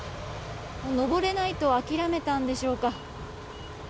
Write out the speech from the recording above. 上れないと諦めたんでしょうか。